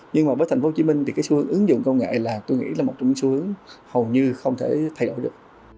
nhưng mà với tp hcm thì cái xu hướng ứng dụng công nghệ là tôi nghĩ là một trong những xu hướng hầu như không thể thay đổi được